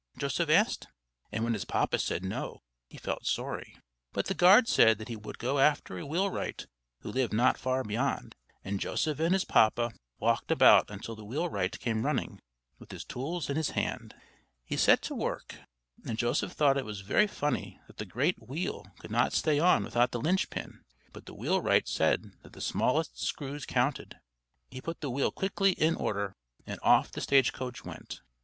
Joseph asked. And when his papa said "No," he felt sorry. But the guard said that he would go after a wheelwright who lived not far beyond; and Joseph and his papa walked about until the wheelwright came running, with his tools in his hand. He set to work, and Joseph thought it was very funny that the great wheel could not stay on without the linch pin; but the wheelwright said that the smallest screws counted. He put the wheel quickly in order, and off the stage coach went.